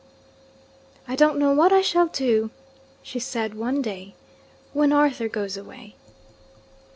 'I don't know what I shall do,' she said one day, 'when Arthur goes away.'